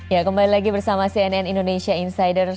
ya kembali lagi bersama cnn indonesia insider